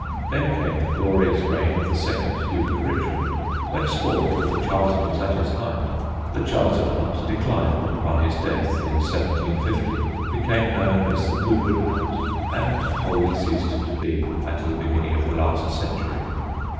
Then came the glorious reign of the second Duke of Richmond, when sport with the Charlton was at its height. The Charlton Hunt declined upon his death, in 1750, became known as the Goodwood Hunt, and wholly ceased to be at the beginning of the last century.